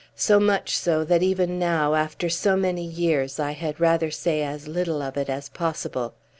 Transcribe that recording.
so much so, that even now, after so many years, I had rather say as little of it as possible.